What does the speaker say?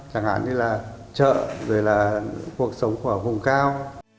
chẳng hạn như là chợ rồi là cuộc sống của vùng cao